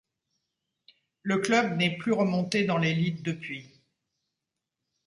Le club n'est plus remonté dans l'élite depuis.